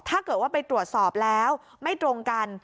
ถ้าเกิดว่าไปตรวจสอบแล้วไม่ตรงกัน